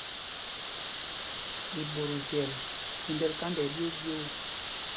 Iɓɔtzyel i thúndɛl kanda ɛɓyoo ɓyoo.